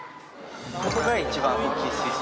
ここが一番大きい水槽？